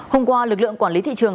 hôm qua lực lượng quản lý thị trường